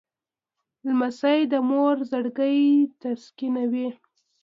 لمسی د مور زړګی تسکینوي.